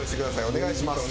お願いします。